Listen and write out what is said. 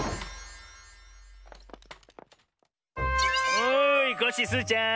おいコッシースイちゃん